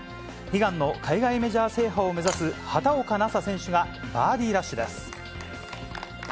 悲願の海外メジャー制覇を目指す畑岡奈紗選手がバーディーラッシュです。